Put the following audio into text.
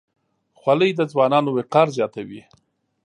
خولۍ د ځوانانو وقار زیاتوي.